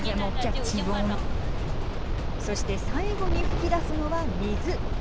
そして、最後に噴き出すのは水。